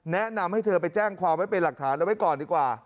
แนะนำให้เธอไปแจ้งความไว้เป็นหลักฐานเอาไว้ก่อนดีกว่า